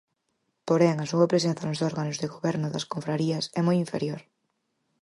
Porén, a súa presenza nos órganos de goberno das confrarías é moi inferior.